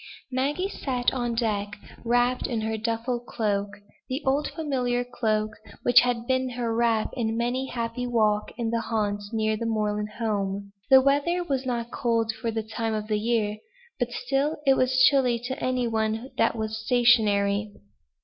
Maggie sat on deck, wrapped in her duffel cloak; the old familiar cloak, which had been her wrap in many a happy walk in the haunts near her moorland home. The weather was not cold for the time of year, but still it was chilly to any one that was stationary.